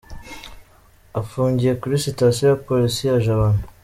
Afungiye kuri sitasiyo ya Polisi ya Jabana.